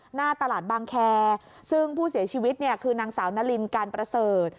หน้าตลาดบางแคร์ซึ่งผู้เสียชีวิตเนี่ยคือนางสาวนารินการประเสริฐ